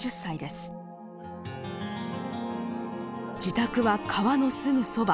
自宅は川のすぐそば。